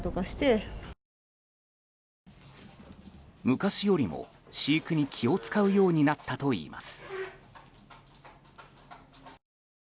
昔よりも飼育に気を使うようになったといいます。